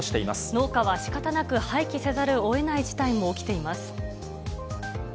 農家はしかたなく廃棄せざるをえない事態も起きています。